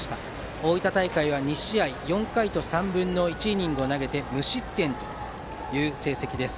大分大会は２試合４回と３分の１イニングを投げて無失点という成績です。